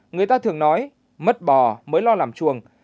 người ta thường nói mất bò mới lo làm chuồng